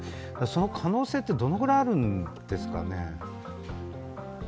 その可能性ってどのぐらいあるんですかね。